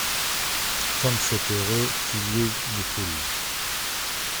Comme c’est heureux qu’il y ait des poules !